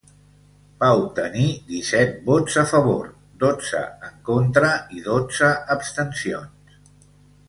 Va obtenir disset vots a favor, dotze en contra i dotze abstencions.